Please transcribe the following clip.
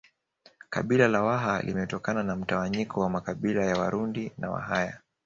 Kabila la Waha limetokana na mtawanyiko wa makabila ya Warundi na Wahaya